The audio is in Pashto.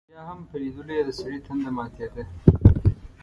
بیا هم په لیدلو یې دسړي تنده ماتېده.